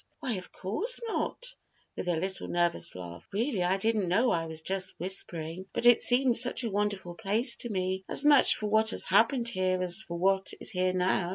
"Why no, of course not," with a little nervous laugh; "really, I didn't know I was just whispering; but it seems such a wonderful place to me, as much for what has happened here as for what is here now."